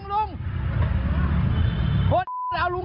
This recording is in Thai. กระทั่งตำรวจก็มาด้วยนะคะ